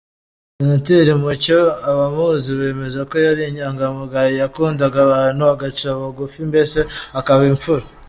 Senateri Mucyo abamuzi bemeza ko yari inyangamugayo, yakundaga abantu, agaca bugufi mbese akaba imfura.